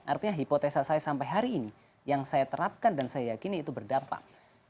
artinya hipotesa saya sampai hari ini yang saya terapkan dan saya yakini itu berdampak